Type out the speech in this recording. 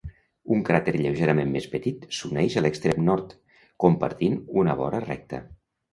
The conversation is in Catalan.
Un cràter lleugerament més petit s'uneix a l'extrem nord, compartint una vora recta.